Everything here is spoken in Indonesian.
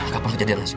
kapan lu jadi anasik